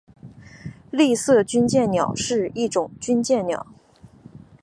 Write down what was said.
丽色军舰鸟是一种军舰鸟。